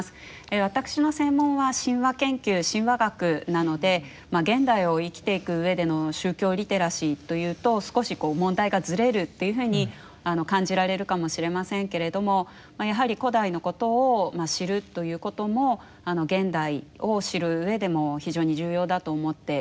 私の専門は神話研究神話学なので現代を生きていくうえでの宗教リテラシーというと少し問題がずれるというふうに感じられるかもしれませんけれどもやはり古代のことを知るということも現代を知るうえでも非常に重要だと思っています。